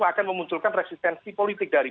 akan memunculkan resistensi politik dari